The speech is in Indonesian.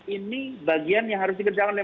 ini bagian yang harus dikerjakan oleh